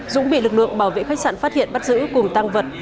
dũng bị lực lượng bảo vệ khách sạn phát hiện bắt giữ cùng tăng vật